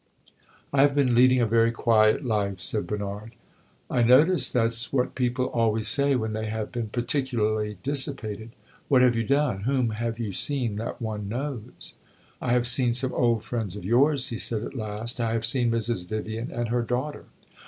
"I have been leading a very quiet life," said Bernard. "I notice that 's what people always say when they have been particularly dissipated. What have you done? Whom have you seen that one knows?" Bernard was silent a moment. "I have seen some old friends of yours," he said at last. "I have seen Mrs. Vivian and her daughter."